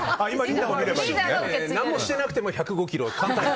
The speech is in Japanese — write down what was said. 何もしてなくても１０５ｋｇ。